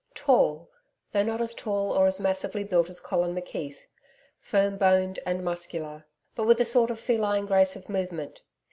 Tall though not as tall or as massively built as Colin McKeith, firm boned and muscular, but with a sort of feline grace of movement.